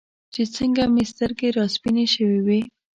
چې څنګه مې سترګې راسپینې شوې وې.